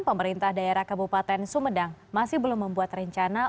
pemerintah daerah kabupaten sumedang masih belum membuat rencana